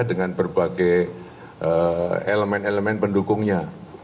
dengan berbagai elemen elemen pendukungnya